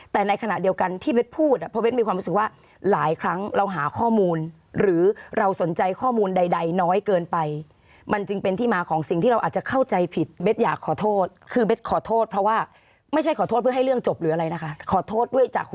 แต่ในขณะเดียวกันที่เบ๊ดพูดอะเพราะเบ๊ดมีความรู้สึกว่า